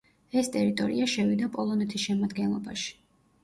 ეს ტერიტორია შევიდა პოლონეთის შემადგენლობაში.